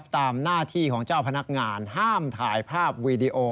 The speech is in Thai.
ตามหน้าที่ของเจ้าพนักงานห้ามถ่ายภาพวีดีโอ